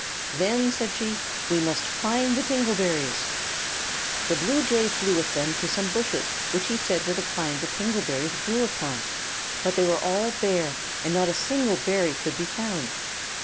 "Then," said she, "we must find the tingle berries." The bluejay flew with them to some bushes which he said were the kind the tingle berries grew upon, but they were all bare and not a single berry could be found.